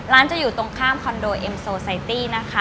จะอยู่ตรงข้ามคอนโดเอ็มโซไซตี้นะคะ